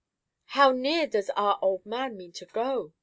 "How near does our old man mean to go?"